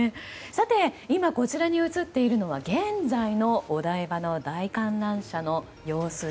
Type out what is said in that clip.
さて、今こちらに映っているのは現在のお台場の大観覧車の様子。